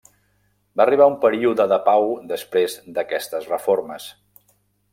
Va arribar un període de pau després d'aquestes reformes.